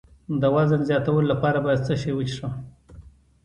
د وزن زیاتولو لپاره باید څه شی وڅښم؟